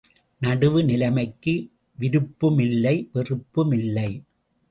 நடுவு நிலைமைக்கு விருப்பும் இல்லை வெறுப்பும் இல்லை.